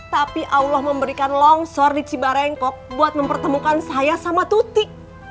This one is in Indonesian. tapi allah memberikan longsor di cibarengkok buat mempertemukan saya sama tutik